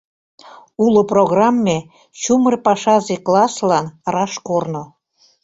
Уло программе — чумыр пашазе класслан раш корно.